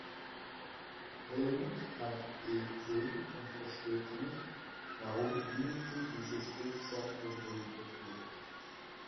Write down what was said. Helmut tankt E-zehn und versteht nicht, warum Dimitri diese Spritsorte boykottiert.